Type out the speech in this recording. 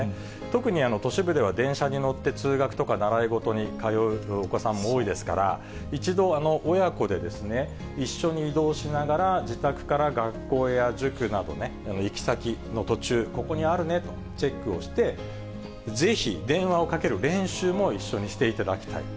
特に、都市部では、電車に乗って通学とか習い事に通うお子さんも多いですから、一度、親子で一緒に移動しながら、自宅から学校や熟など、行き先の途中、ここにあるねとチェックをして、ぜひ電話をかける練習も、一緒にしていただきたい。